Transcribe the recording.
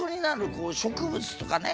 こう植物とかね